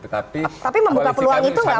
tapi memuka peluang itu tidak